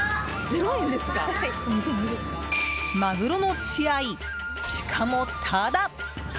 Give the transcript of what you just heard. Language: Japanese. マグロの血合いしかも、タダ！